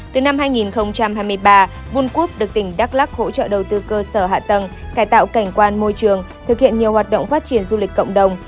từ năm hai nghìn hai mươi ba vuncoup được tỉnh đắk lắc hỗ trợ đầu tư cơ sở hạ tầng cải tạo cảnh quan môi trường thực hiện nhiều hoạt động phát triển du lịch cộng đồng